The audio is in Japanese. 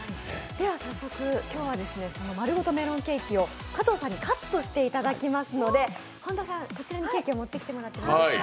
早速、今日は、そのまるごとメロンケーキを加藤さんにカットしていただきますので、本田さん、こちらにケーキを持ってきてもらっていいですか。